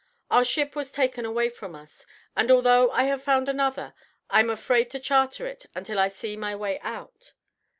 Our ship was taken away from us, and although I have found another, I'm afraid to charter it until I see my way out.